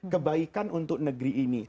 kebaikan untuk negeri ini